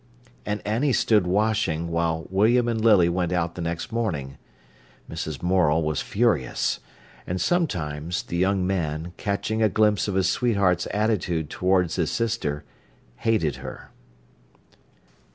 And Annie stood washing when William and Lily went out the next morning. Mrs. Morel was furious. And sometimes the young man, catching a glimpse of his sweetheart's attitude towards his sister, hated her.